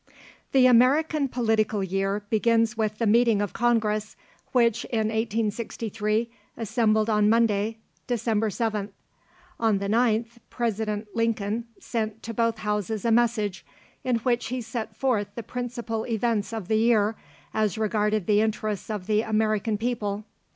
The American political year begins with the meeting of Congress, which in 1863 assembled on Monday, December 7th. On the 9th, President Lincoln sent to both Houses a message, in which he set forth the principal events of the year, as regarded the interests of the American people.